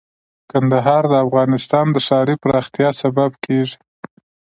کندهار د افغانستان د ښاري پراختیا سبب کېږي.